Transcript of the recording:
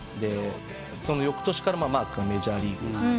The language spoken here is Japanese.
そのよくとしからマー君はメジャーリーグ。